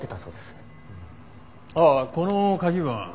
ああこの鍵は？